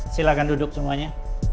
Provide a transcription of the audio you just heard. silahkan duduk semuanya